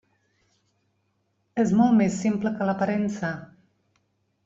És molt més simple que l'aparença.